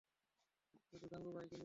শুধু গাঙুবাইকে নিয়ে এসো।